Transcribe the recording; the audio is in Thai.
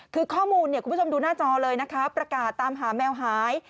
คือข้อมูลเนี่ยคุณผู้ชมดูหน้าจอเลยนะคะประกาศตามหาแมวหาย